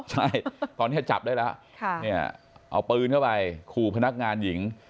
ใช่ตอนนี้จับได้แล้วเอาปืนเข้าไปขู่พนักงานหญิง